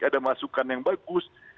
ada masukan yang bagus